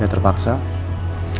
aku mau ke sekolah